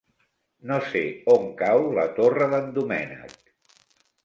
No sé on cau la Torre d'en Doménec.